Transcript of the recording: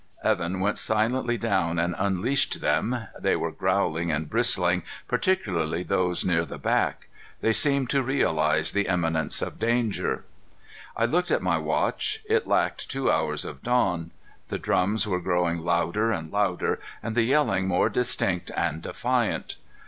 Evan went silently down and unleashed them. They were growling and bristling, particularly those near the back. They seemed to realize the imminence of danger. I looked at my watch. It lacked two hours of dawn. The drums were growing louder and louder, and the yelling more distinct and defiant.